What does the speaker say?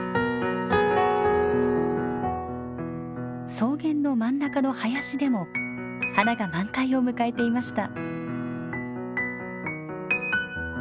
草原の真ん中の林でも花が満開を迎えていました。